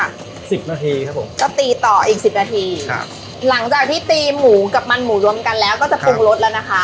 สิบนาทีครับผมก็ตีต่ออีกสิบนาทีครับหลังจากที่ตีหมูกับมันหมูรวมกันแล้วก็จะปรุงรสแล้วนะคะ